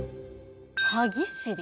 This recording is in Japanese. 「歯ぎしり」？